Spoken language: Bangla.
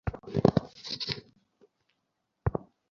একটু দেখি ওকে না, না, আমাকে অনুমান করতে দাও উহ, পিসার হেলানো টাওয়ার।